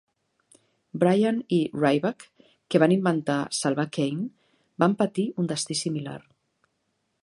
Bryan i Ryback, que van intentar salvar Kane, van patir un destí similar.